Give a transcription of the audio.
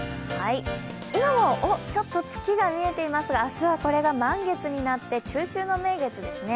今もちょっと月が見えていますが、明日はこれが満月になって中秋の名月ですね。